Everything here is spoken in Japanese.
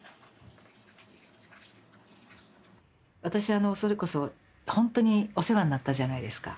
私それこそほんとにお世話になったじゃないですか。